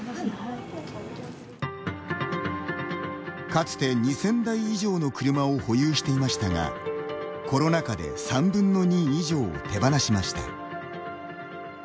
かつて、２０００台以上の車を保有していましたがコロナ禍で３分の２以上を手放しました。